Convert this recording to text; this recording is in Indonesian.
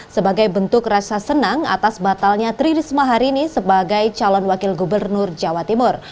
sebagai bentuk rasa senang atas batalnya tri risma hari ini sebagai calon wakil gubernur jawa timur